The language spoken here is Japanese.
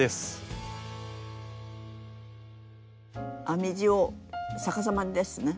編み地を逆さまですね